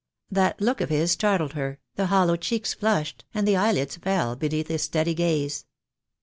That look of his startled her, the hollow cheeks flushed, and the eyelids fell beneath his steady gaze.